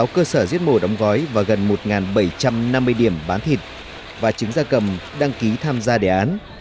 hai mươi sáu cơ sở diết mổ đóng gói và gần một bảy trăm năm mươi điểm bán thịt và trứng da cầm đăng ký tham gia đề án